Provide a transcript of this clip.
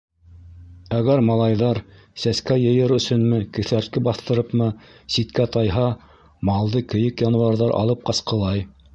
Әгәр малайҙар, сәскә йыйыр өсөнмө, кеҫәртке баҫтырыпмы ситкә тайһа, малды кейек януарҙар алып ҡасҡылай.